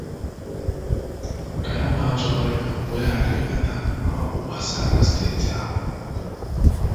ka ya bụ ajọ ọrịa wee ghara ịbata maọbụ gbasaa na steeti ahụ.